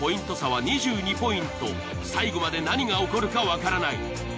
最後まで何が起こるかわからない。